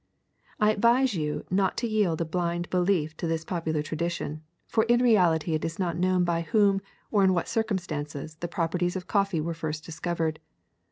^^I advise you not to yield a blind belief to this popular tradition, for in reality it is not known by whom or in what circumstances the properties of coffee were first discovered.